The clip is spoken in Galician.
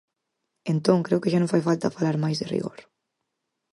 Entón creo que xa non fai falta falar máis de rigor.